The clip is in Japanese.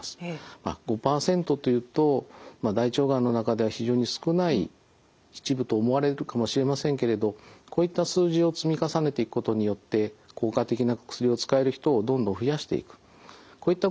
まあ５％というと大腸がんの中では非常に少ない一部と思われるかもしれませんけれどこういった数字を積み重ねていくことによって効果的な薬を使える人をどんどん増やしていくこういったことがですね